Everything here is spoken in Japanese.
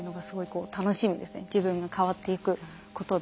自分が変わっていくことで。